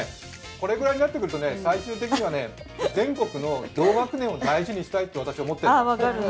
これぐらいになってくると、最終的には全国の同学年を大事にしたいと私は思ってるの。